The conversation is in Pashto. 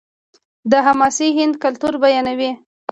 دا حماسې د هند کلتور بیانوي.